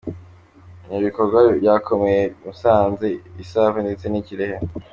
Ibi bikorwa byakomereje i Musanze, i Save ndetse n’i Kirehe.